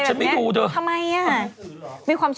ฉันไม่ดูฉันไม่ดู